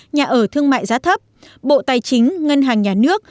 nhà ở thương mại giá thấp bộ tài chính ngân hàng nhà nước